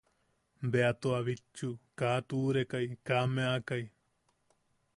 Bea tua a bitchu, kaa a tuʼurekai, kaa a meʼakai.